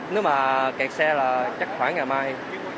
nếu mà kẹt xe là chắc khoảng ngày mai